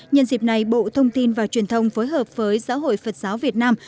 nhân dịp này bộ thông tin và truyền thông phối hợp với giáo hội phật giáo việt nam